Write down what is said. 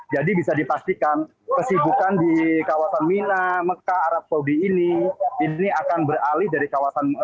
jadi bisa dipastikan kesibukan di kawasan mina mekah arab pauwi ini ini akan beralih dari kawasan